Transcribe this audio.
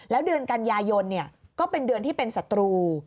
แล้วเดือนกันยายนก็เป็นเดือนที่เป็นศัตรู